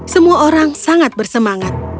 semua orang sangat bersemangat